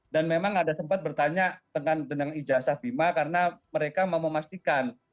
dan memang ada sempat bertanya tentang ijazah bima karena mereka mau memastikan